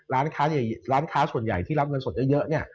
ร้านค้าส่วนใหญ่ที่รับเงินสดเยอะเนี่ย